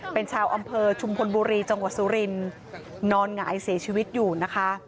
เป็นชาวอำเภอชุมพลบุรีจังหวัดสุรินนอนหงายเสียชีวิตอยู่นะคะ